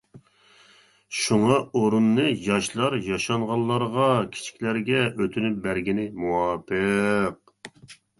شۇڭا ئورۇننى ياشلار، ياشانغانلارغا، كىچىكلەرگە ئۆتۈنۈپ بەرگىنى مۇۋاپىق.